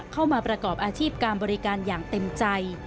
เข้ามาประกอบอาชีพการบริการอย่างเต็มใจ